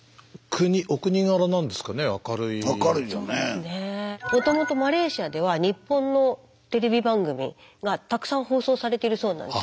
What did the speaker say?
もともとマレーシアでは日本のテレビ番組がたくさん放送されているそうなんです。